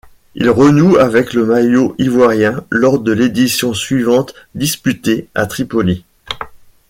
Il renoue avec le maillot ivoirien lors de l'édition suivante disputée à Tripoli.